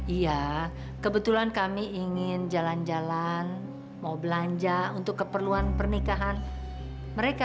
iya kebetulan kami ingin jalan jalan mau belanja untuk keperluan pernikahan mereka